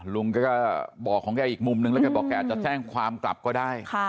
ลุงแกก็บอกของแกอีกมุมนึงแล้วแกบอกแกจะแจ้งความกลับก็ได้